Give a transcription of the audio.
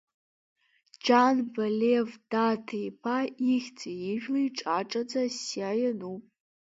Џьанба Лев Даҭа-иԥа, ихьӡи-ижәлеи ҿаҿаӡа асиа иануп.